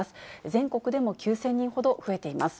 全国でも９０００人ほど増えています。